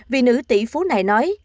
vị nữ tỷ phú này nói